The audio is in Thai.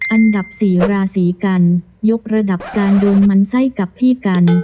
อันดับสี่ราศีกันยกระดับการโดนมันไส้กับพี่กัน